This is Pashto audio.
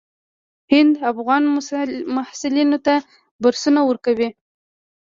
هند افغان محصلینو ته بورسونه ورکوي.